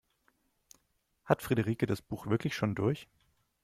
Hat Friederike das Buch wirklich schon durch?